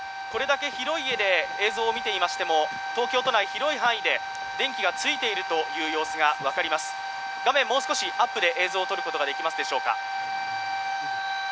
これだけ広い映像を見ていましても、東京都内広い範囲で停電続いているという様子がわかりますがもう少しアップで映像取ることができますでしょうか？